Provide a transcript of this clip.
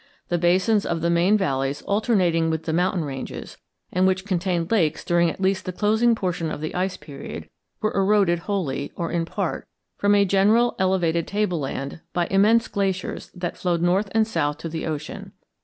The basins of the main valleys alternating with the mountain ranges, and which contained lakes during at least the closing portion of the Ice Period, were eroded wholly, or in part, from a general elevated tableland, by immense glaciers that flowed north and south to the ocean.